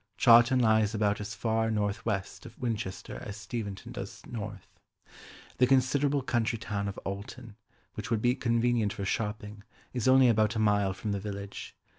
Chawton lies about as far north west of Winchester as Steventon does north. The considerable country town of Alton, which would be convenient for shopping, is only about a mile from the village.